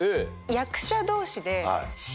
役者同士で。